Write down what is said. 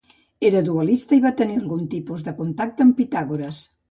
Era dualista i va tenir algun tipus de contacte amb Pitàgores.